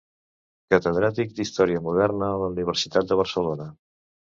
Catedràtic d'Història Moderna a la Universitat de Barcelona.